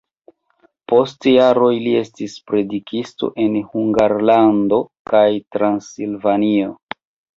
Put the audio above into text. Post jaroj li estis predikisto en Hungarlando kaj Transilvanio.